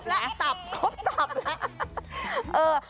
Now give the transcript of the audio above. ครบแล้วตับครบตับแล้ว